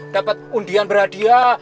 dapet undian berhadiah